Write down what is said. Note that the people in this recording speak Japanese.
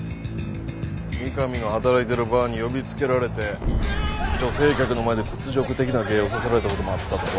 三上の働いてるバーに呼びつけられて女性客の前で屈辱的な芸をさせられたこともあったとよ。